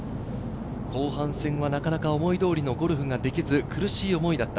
後半戦はなかなか思い通りのゴルフができず、苦しい思いだった。